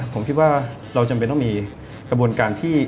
ผมคิดว่าเราจำเป็นต้องมีกระบวนการที่